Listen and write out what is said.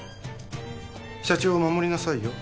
社長を守りなさいよ